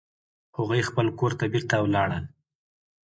هغوی خپل کور ته بیرته ولاړل